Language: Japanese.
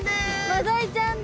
マダイちゃんだ！